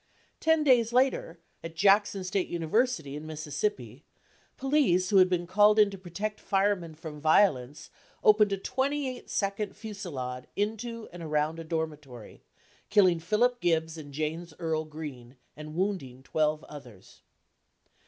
Ten days later, at Jackson State University in Mississippi, police who had been called in to protect firemen from violence, opened a 28 second fusillade into and around a dormitory, killing Phillip Gibbs and J arnes Earl Green, and wounding 12 others.